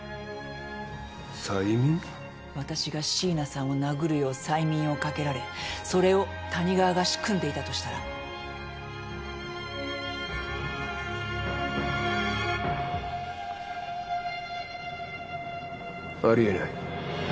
私が椎名さんを殴るよう催眠をかけられそれを谷川が仕組んでいたとしたら？ありえない。